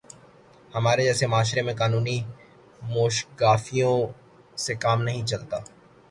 ہمارے جیسے معاشرے میں قانونی موشگافیوں سے کام نہیں چلتا۔